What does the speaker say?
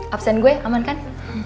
absen gue aman kan